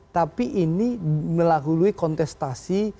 tapi ini melalui kontestasi